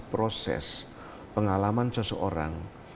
proses pengalaman seseorang